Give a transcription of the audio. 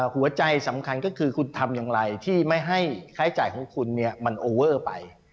หัวใจสำคัญก็คือคุณทำอย่างไรที่ไม่ให้ใช้จ่ายของคุณเนี่ยมันโอเวอร์ไป